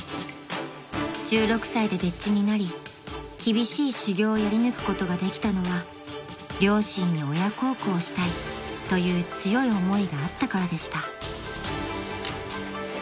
［１６歳で丁稚になり厳しい修業をやり抜くことができたのは両親に親孝行したいという強い思いがあったからでした］